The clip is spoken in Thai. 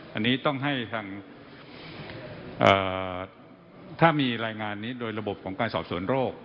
อันนี้ต้องให้ทางถ้ามีรายงานนี้โดยระบบของการสอบสวนโรค